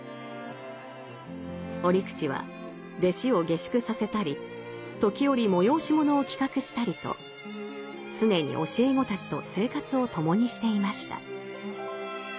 折口は弟子を下宿させたり時折催し物を企画したりと常に教え子たちと生活を共にしていました。